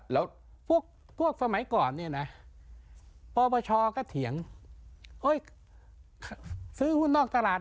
แล้วพวกสมัยก่อนเนี่ยนะปปชก็เถียงซื้อหุ้นนอกตลาด